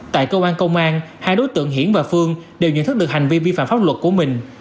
tại cơ quan công an hai đối tượng hiển và phương đều nhận thức được hành vi vi phạm pháp luật của mình